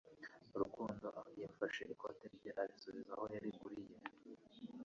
rukundo yafashe ikote rye arisubiza aho yariguriye.